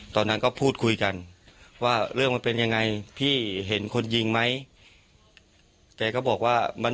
ตอนนั้นก็พูดคุยกันว่าเรื่องมันเป็นยังไงพี่เห็นคนยิงไหมแกก็บอกว่ามัน